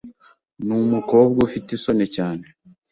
Numukobwa ufite isoni cyane.